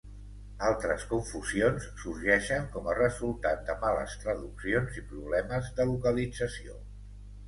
Altres confusions sorgeixen com a resultat de males traduccions i problemes de localització.